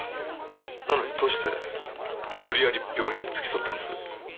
なのにどうして無理やり病院に付き添ったんです？